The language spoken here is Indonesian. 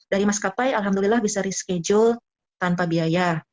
dari mas kapai alhamdulillah bisa reschedule tanpa biaya